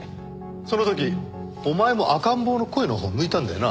その時お前も赤ん坊の声のほう向いたんだよな？